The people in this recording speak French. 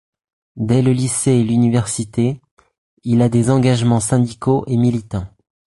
Dès le lycée et l'université, il a des engagements syndicaux et militants.